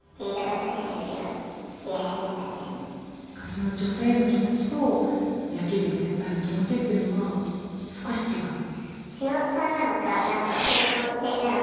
その女性への気持ちとその野球部の先輩の気持ちっていうのは少し違う？